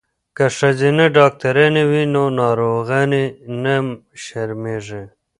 که ښځینه ډاکټرانې وي نو ناروغانې نه شرمیږي.